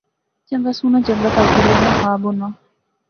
چنگا سوہنا جنگت ہر کڑیا ناں خواب ہونا